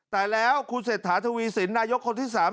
แต่แล้วคุณเศรษฐาทวีสินนายกคนที่๓